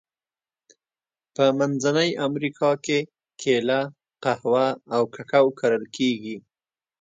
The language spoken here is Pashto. په منځنۍ امریکا کې کېله، قهوه او کاکاو کرل کیږي.